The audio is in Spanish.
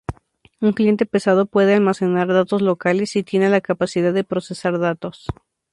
Un cliente pesado puede almacenar datos locales, y tiene la capacidad de procesar datos.